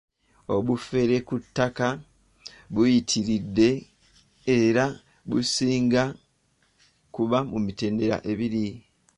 Obufere ku ttaka buyitiridde era businga kuba mu mitendera ebiri.